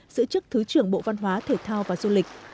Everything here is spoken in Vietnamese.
giữ chức thứ trưởng bộ văn hóa thể thao và du lịch